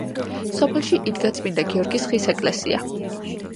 სოფელში იდგა წმინდა გიორგის ხის ეკლესია.